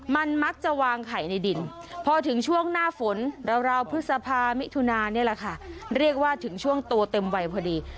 มันมักจะวางไข่ในดินพอถึงช่วงหน้าฝนราวพฤษภามิถุนานี่แหละค่ะเรียกว่าถึงช่วงโตเต็มวัยพอดี